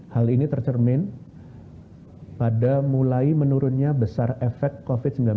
hal ini tercermin pada mulai menurunnya besar efek covid sembilan belas